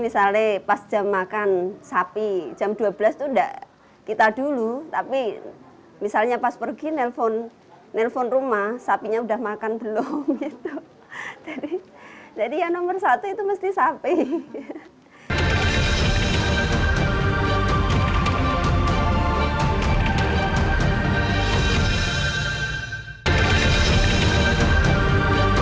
sekarang kinerja ini juga merupakan perpustakaan